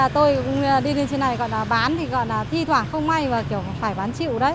tôi đi lên trên này bán thì gọi là thi thoảng không may mà kiểu phải bán chịu đấy